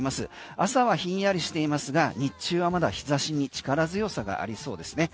朝はひんやりしていますが日中はまだ日差しに力強さがありそうですね。